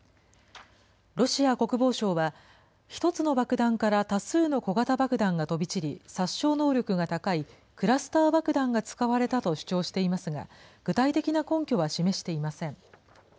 ロシア国防省は、１つの爆弾から多数の小型爆弾が飛び散り、殺傷能力が高いクラスター爆弾が使われたと主張していますが、具体的な根拠は示していません。